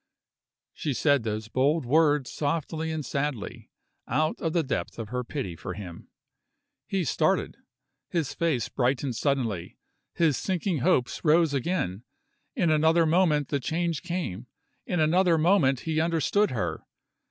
She said those bold words softly and sadly, out of the depth of her pity for him. He started; his face brightened suddenly; his sinking hope rose again. In another moment the change came; in another moment he understood her.